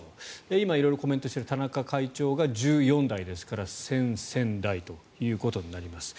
今、色々コメントしている田中会長が１４代ですから先々代となります。